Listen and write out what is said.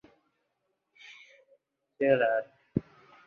• O‘rganish — toqqa arava yetaklash, ya'ni to‘xtasang, orqaga qulaysan.